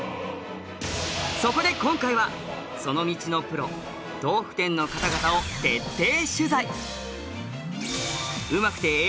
そこで今回はその道のプロ豆腐店の方々を徹底取材。